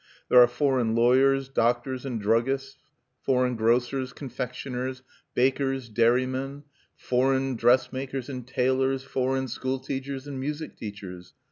There are foreign lawyers, doctors, and druggists; foreign grocers, confectioners, bakers, dairymen; foreign dress makers and tailors; foreign school teachers and music teachers.